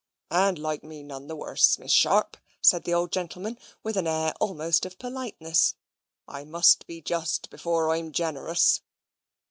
"And like me none the worse, Miss Sharp," said the old gentleman, with an air almost of politeness. "I must be just before I'm generous."